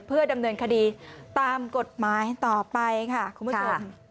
เพื่อดำเนินคดีตามกฎหมายต่อไปค่ะคุณผู้ชม